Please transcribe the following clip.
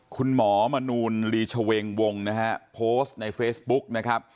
คุณหมอมนูลลีชเวงวงนะฮะโพสต์ในเฟซบุ๊กนะครับ